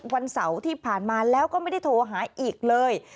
วันเสาร์ที่ผ่านมาแล้วก็ไม่ได้โทรหาอีกเลย